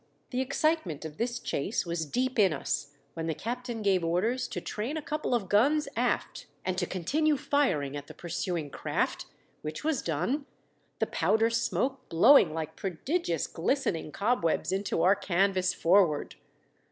The excitement of this chase was deep in us when the captain gave orders to train a couple of guns aft and to continue firing at the pursuing craft, which was done, the powder smoke blowing like prodigious glis tening^ cobwebs into our canvas forward.